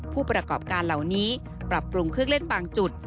ผู้ประกอบการเหล่านี้ปรับปรุงเครื่องเล่นบางจุด